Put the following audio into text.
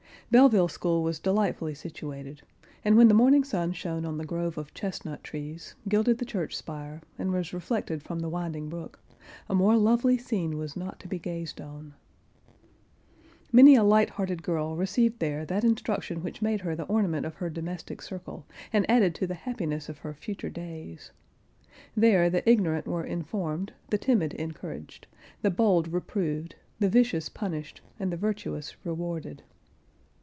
Belleville school was delightfully situated, and when the morning sun shone on the grove of chestnut trees, gilded the church spire, and was reflected from the winding brook, a more lovely scene was not to be gazed on. Many a light hearted girl received there that instruction which made her the ornament of her domestic circle, and added to the happiness of her fu[Pg 46]ture days. There the ignorant were informed, the timid encouraged, the bold reproved, the vicious punished, and the virtuous rewarded.